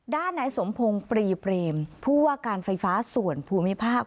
ด้านนายสมพงศ์ปรีเปรมผู้ว่าการไฟฟ้าส่วนภูมิภาค